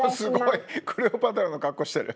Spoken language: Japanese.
クレオパトラの格好してる。